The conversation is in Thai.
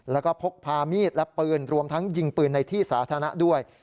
แล้วก็พกพามีดและปืนรวมทั้งยิงปืนในที่สาธารณะด้วย